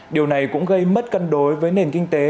điều này cũng gây mất cân đối với nền kinh tế